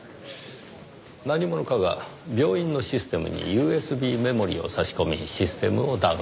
何者かが病院のシステムにＵＳＢメモリを差し込みシステムをダウンさせた。